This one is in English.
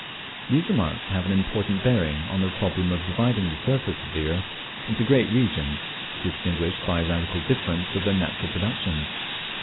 These remarks have an important bearing on the problem of dividing the surface of the earth into great regions, distinguished by the radical difference of their natural productions.